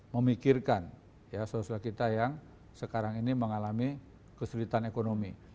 memikirkan sosial kita yang sekarang ini mengalami kesulitan ekonomi